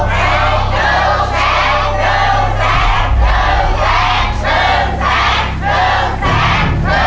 หุบหุบหุบหุบหุบหุบ